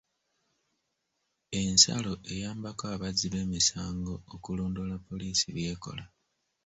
Ensalo eyambako abazzi b'emisango okulondoola poliisi by'ekola.